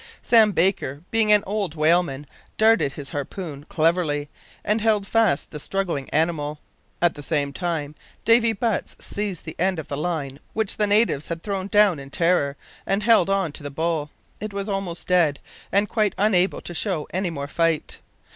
Sam Baker, being an old whaleman, darted his harpoon cleverly, and held fast the struggling animal. At the same time Davy Butts seized the end of the line which the natives had thrown down in terror, and held on to the bull. It was almost dead, and quite unable to show any more fight.